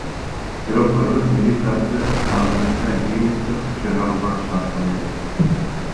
Бирок кыргыз милициясы азырынча жыйынтык чыгарууга шашыла элек.